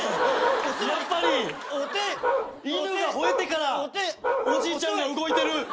やっぱり犬が吠えてからおじいちゃんが動いてる。